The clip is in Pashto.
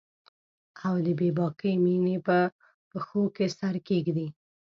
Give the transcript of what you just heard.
او د بې باکې میینې په پښو کې سر کښیږدي